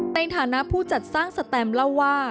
ในฐานะผู้จัดสร้างสแตมเล่าว่า